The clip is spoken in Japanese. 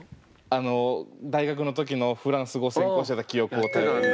あの大学の時のフランス語専攻してた記憶を頼りに。